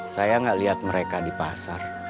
saya ngga liat mereka di pasar